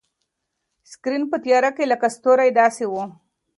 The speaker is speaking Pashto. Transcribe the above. سکرین په تیاره کې لکه ستوری داسې و.